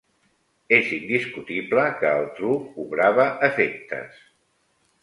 Es indiscutible que el truc obrava efectes